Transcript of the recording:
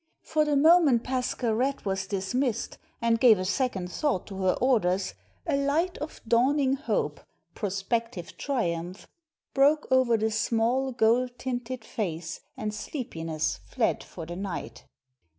For the moment Pascherette was dismissed, and gave a second thought to her orders, a light of dawning hope, prospective triumph, broke over the small, gold tinted face and sleepiness fled for the night.